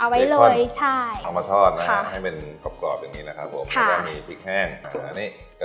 ไปมาจากที่ไหนเราเลือกมาจากจังหาละยองค่ะก็จะเป็นของใต้ค่ะ